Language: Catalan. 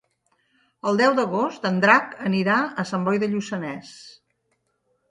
El deu d'agost en Drac anirà a Sant Boi de Lluçanès.